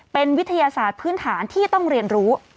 เป็นวิทยาศาสตร์พื้นฐานที่ต้องเรียนรู้